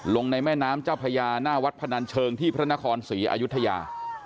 ลงในแม่น้ำเจ้าพญาหน้าวัดพนันเชิงที่พระนครศรีอายุทยา